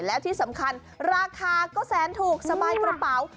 แล้วที่สำคัญราคาก็แสนถูกสบายกระเป๋า